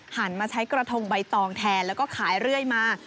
มาใช้กระทงใบตองแทนแล้วก็ขายเรื่อยมา